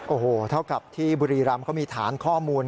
โอ้โหเท่ากับที่บุรีรำเขามีฐานข้อมูล